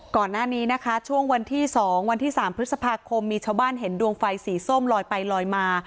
ก่อนหน้านี้นะคะช่วงวันที่๒วันที่๓พฤษภาคมมีชาวบ้านเห็นดวงไฟสีส้มลอยไปลอยมา